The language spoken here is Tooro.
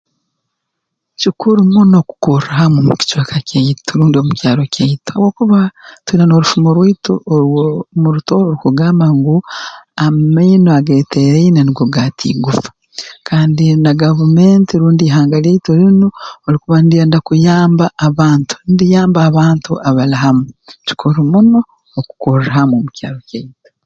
Kikuru muno kukorra hamu mu kicweka kyaitu rundi omu kyaro kyaitu habwokuba tuba n'orufumo rwaitu orw'omu Rutooro orukugamba ngu amaino ageeteraine nugo gaata igufa kandi na gavumenti rundi ihanga lyaitu linu obu likuba ndyenda kuyamba abantu ndiyamba abantu abali hamu kikuru muno okukorra hamu omu kyaro kyaitu